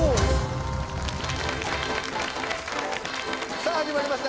さぁ始まりました